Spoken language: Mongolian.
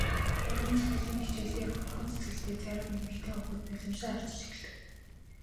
Уран зохиолын хичээл дээр уяхан сэтгэлтэй зарим эмэгтэй хүүхэд нулимсаа арчиж эхлэв.